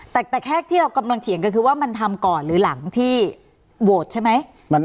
แต่แค่ที่เรากำลังเถียงกันคือว่ามันทำก่อนหรือหลังที่โหวตใช่ไหม